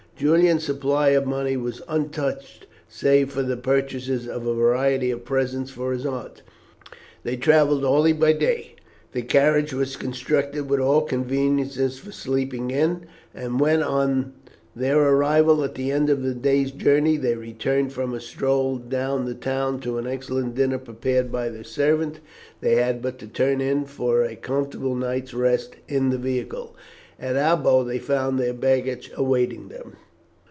Julian's supply of money was untouched save for the purchase of a variety of presents for his aunt. They travelled only by day. The carriage was constructed with all conveniences for sleeping in, and when, on their arrival at the end of their day's journey, they returned from a stroll down the town to an excellent dinner prepared by their servant, they had but to turn in for a comfortable night's rest in the vehicle. At Abo they found their baggage awaiting them.